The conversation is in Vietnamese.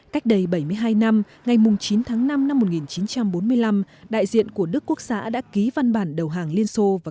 cách đây bảy mươi hai năm ngày chín tháng năm năm một nghìn chín trăm bốn mươi năm đại diện của đức quốc xã đã ký văn bản đầu hàng liên xô và